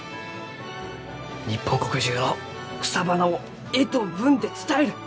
日本国中の草花を絵と文で伝える！